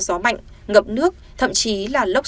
gió mạnh ngập nước thậm chí là lốc